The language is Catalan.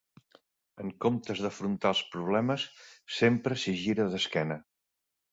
En comptes d'afrontar els problemes, sempre s'hi gira d'esquena.